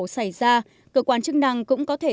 xảy ra cơ quan chức năng cũng có thể